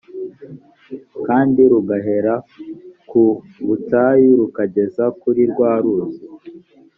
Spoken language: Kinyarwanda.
kandi rugahera ku butayu rukagera kuri rwa ruzi